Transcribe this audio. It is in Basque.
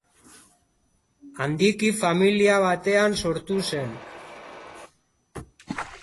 Handiki familia batean sortu zen.